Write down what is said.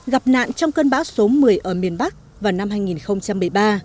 gặp nạn trong cơn bão số một mươi ở miền bắc vào năm hai nghìn một mươi ba